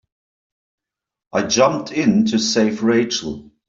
I jumped in to save Rachel.